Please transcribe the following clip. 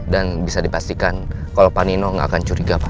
dan bisa dipastikan kalau pak nino tidak akan curiga pak